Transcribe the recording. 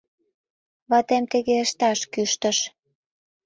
Ватем тыге ышташ кӱштыш.